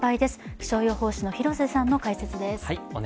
気象予報士の広瀬さんの解説です。